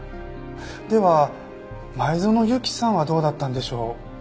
では前園由紀さんはどうだったんでしょう？